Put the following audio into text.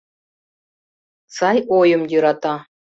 Сай ойым йӧрата.